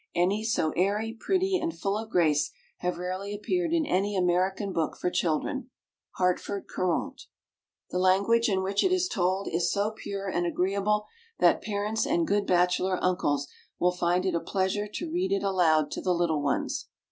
Any so airy, pretty, and full of grace, have rarely appeared in any American book for children. Hartford Courant. The language in which it is told is so pure and agreeable, that parents and good bachelor uncles will find it a pleasure to read it aloud to the little ones.